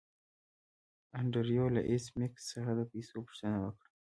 انډریو له ایس میکس څخه د پیسو پوښتنه وکړه